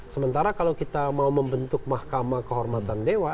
sementara kalau kita mau membentuk mahkamah kehormatan dewa